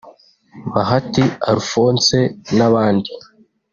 Bahati Alphonse n’abandi